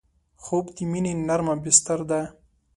خوب د مینې نرمه بستر ده